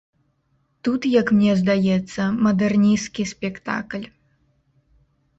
Тут, як мне здаецца, мадэрнісцкі спектакль.